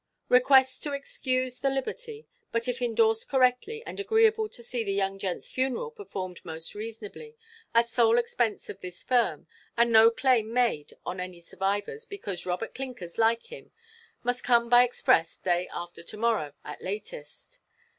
Requests to excuse the liberty, but if endorsed correctly and agreeable to see the young gentʼs funeral performed most reasonably, at sole expense of this firm, and no claim made on any survivors because Robert Clinkers like him, must come by express day after to–morrow at latest.